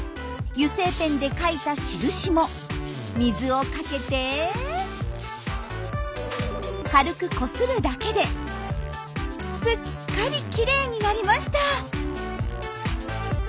油性ペンで書いた印も水をかけて軽くこするだけですっかりきれいになりました。